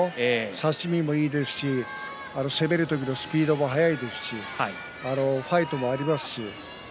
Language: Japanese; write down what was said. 差し身もいいし攻める時のスピードも速いですしファイトもありますし。